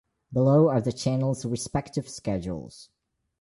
Below are the channels' respective schedules.